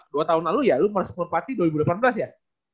dua tahun lalu ya lu harus merpati dua ribu delapan belas ya